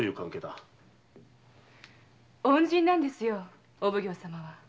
恩人なんですよお奉行様は。